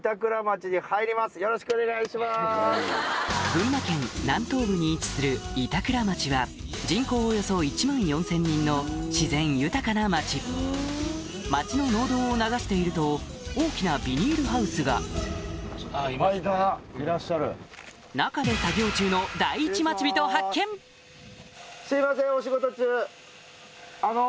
群馬県南東部に位置する板倉町は人口およそ１万４０００人の自然豊かな町町の農道を流していると大きなビニールハウスが中で作業中のあの。